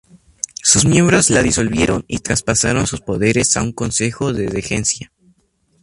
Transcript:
Sus miembros la disolvieron y traspasaron sus poderes a un Consejo de Regencia.